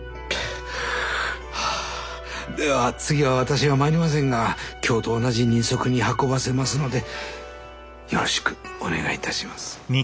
はあでは次は私は参りませんが今日と同じ人足に運ばせますのでよろしくお願いいたします。